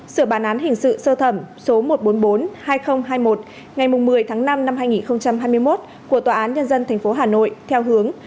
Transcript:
sửa bản án hình sự sơ thẩm số một trăm bốn mươi bốn hai nghìn hai mươi một ngày một mươi tháng năm năm hai nghìn hai mươi một của tòa án nhân dân tp hà nội theo hướng